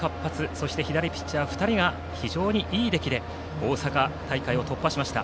そして左ピッチャー２人が非常にいい出来で大阪大会を突破しました。